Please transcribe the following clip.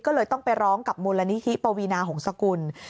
ก็เลยต้องไปร้องกับมูลนิธิปวีนาหงษกุล